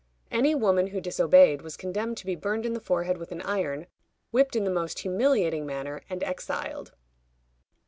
Any woman who disobeyed was condemned to be burned in the forehead with an iron, whipped in the most humiliating manner, and exiled.